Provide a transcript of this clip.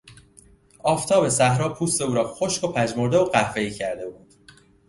آفتاب صحرا پوست او را خشک و پژمرده و قهوهای کرده بود.